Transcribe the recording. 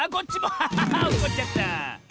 ああおっこっちゃった！